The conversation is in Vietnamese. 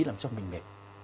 làm cho mình mệt